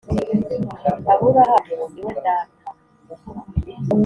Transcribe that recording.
Aburahamu ni we data